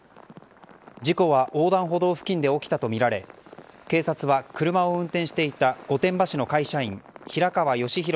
事故は横断歩道付近で起きたとみられ警察は車を運転していた御殿場市の会社員平川吉弘